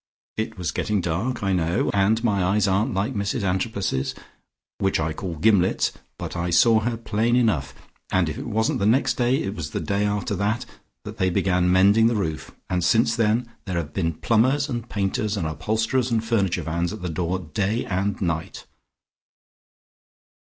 It was getting dark, I know, and my eyes aren't like Mrs Antrobus's, which I call gimlets, but I saw her plain enough. And if it wasn't the next day, it was the day after that, that they began mending the roof, and since then, there have been plumbers and painters and upholsterers and furniture vans at the door day and night."